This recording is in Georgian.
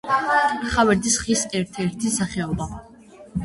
ხავერდის ხის ერთ-ერთი სახეობა.